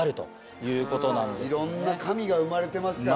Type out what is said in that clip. いろんな神が生まれてますからね。